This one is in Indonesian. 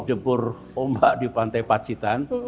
debur ombak di pantai pacitan